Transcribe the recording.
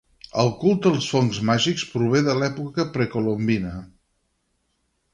El culte als fongs màgics prové de l'època precolombina.